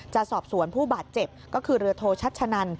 จะสอบสวนผู้บาดเจ็บก็คือเรือโทชัชชะนัน